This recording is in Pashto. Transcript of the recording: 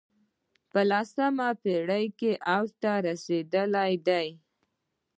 په لسمه پېړۍ کې اوج ته رسېدلی دی